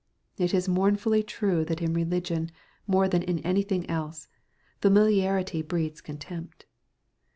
It is mournfully true that in religion, more than in anything else, « famiUarity breeds contempt."